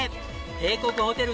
帝国ホテル